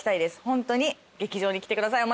ホントに劇場に来てください